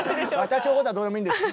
私のことはどうでもいいんです！